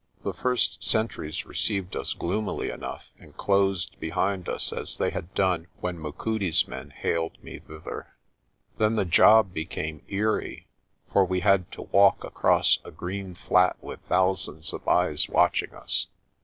The first sentries received us gloomily enough and closed behind us as they had done when Machudi's men haled me thither. Then the job became eerie, for we had to walk across a green flat with thousands of eyes watching us.